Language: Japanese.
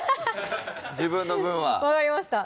自分の分は分かりました